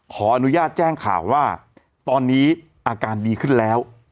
ขออนุญาตแจ้งข่าวว่าตอนนี้อาการดีขึ้นแล้ว